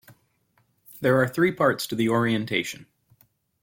There are three parts to the orientation.